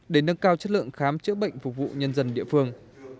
để nâng cao chất lượng khám chữa bệnh phục vụ nhân dân địa phương